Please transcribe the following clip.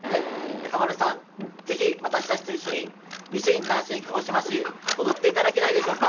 中丸さん、ぜひ、私たちと一緒に「維新ｄａｎｃｉｎ’鹿児島市」、踊っていただけないでしょうか？